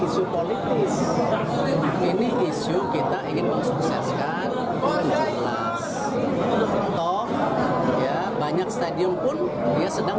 isu politis ini isu kita ingin mensukseskan dengan jelas toh ya banyak stadium pun dia sedang